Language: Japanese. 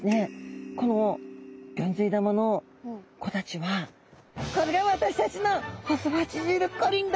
このギョンズイ玉の子たちは「これが私たちのホスファチジルコリンだ」。